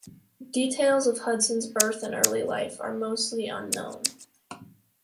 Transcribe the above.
Details of Hudson's birth and early life are mostly unknown.